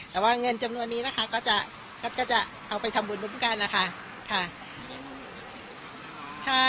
แต่ว่าเงินจำนวนนี้นะคะก็จะเอาไปทำบุญร่วมกันนะคะ